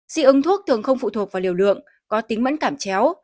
dị ứng thuốc thường không phụ thuộc vào liều lượng có tính mẫn cảm chéo